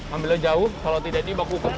ambilnya jauh kalau tidak dibaku